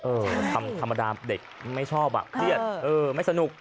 ธรรมดาเด็กไม่ชอบอ่ะเครียดเออไม่สนุก